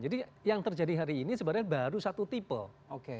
jadi yang terjadi hari ini sebenarnya baru satu tipe